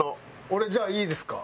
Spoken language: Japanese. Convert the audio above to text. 俺じゃあいいですか？